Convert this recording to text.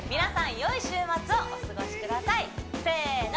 よい週末をお過ごしくださいせーの！